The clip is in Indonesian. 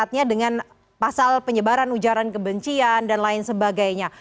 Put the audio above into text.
artinya dengan pasal penyebaran ujaran kebencian dan lain sebagainya